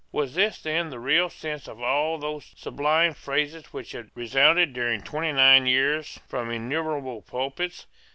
Was this then the real sense of all those sublime phrases which had resounded during twenty nine years from innumerable pulpits?